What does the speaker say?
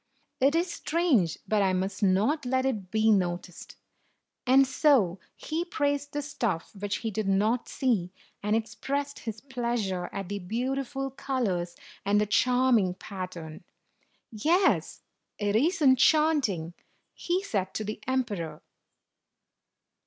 It is strange, but I must not let it be noticed." And so he praised the stuff which he did not see, and expressed his pleasure at the beautiful colors and the charming pattern. "Yes, it is enchant ing," he said to the emperor.